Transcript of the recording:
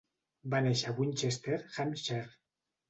Va néixer a Winchester, Hampshire.